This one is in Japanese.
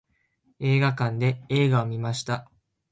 映画館で映画を観ました。